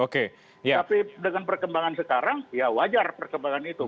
tapi dengan perkembangan sekarang ya wajar perkembangan itu